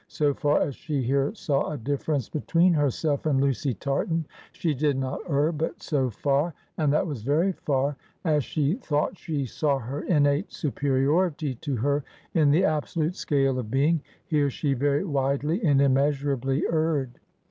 So far as she here saw a difference between herself and Lucy Tartan, she did not err; but so far and that was very far as she thought she saw her innate superiority to her in the absolute scale of being, here she very widely and immeasurably erred.